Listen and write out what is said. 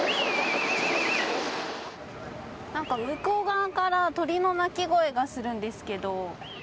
向こう側から鳥の鳴き声がするんですけど。